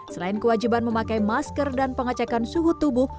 selain kewajiban memakai masker dan pengecekan suhu tubuh